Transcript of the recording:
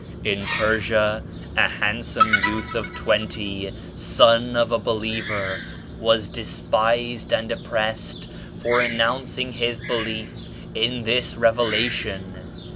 In Persia a handsome youth of twenty, son of a believer was despised and op pressed for announcing his belief in this Revela tion.